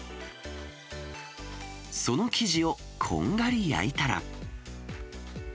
その生地をこんがり焼いたら。